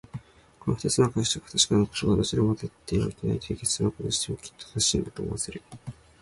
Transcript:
この二つの解釈が不確かなことは、どちらもあたってはいないという結論を下してもきっと正しいのだ、と思わせる。